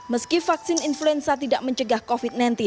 meski vaksin influenza tidak mencegah covid sembilan belas